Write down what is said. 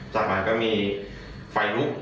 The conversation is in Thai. จากนั้นก็มีไฟลุก